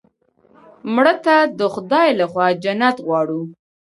مړه ته د خدای له خوا جنت غواړو